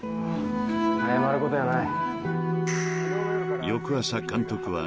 謝ることやない。